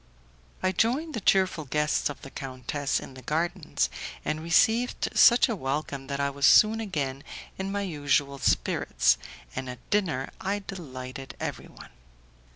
I joined the cheerful guests of the countess in the gardens, and received such a welcome that I was soon again in my usual spirits, and at dinner I delighted everyone.